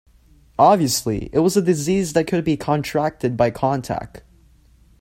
Obviously, it was a disease that could be contracted by contact.